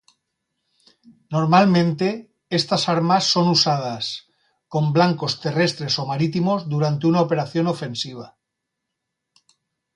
Normalmente, estas armas son usadas con blancos terrestres o marítimos durante una operación ofensiva.